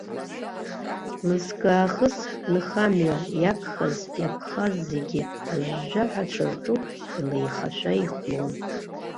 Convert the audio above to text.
Мызкы аахыс инхамҩа иагхаз-иаԥхаз зегьы ажәжәаҳәа дшырҿу, илеихашәы ихәлон.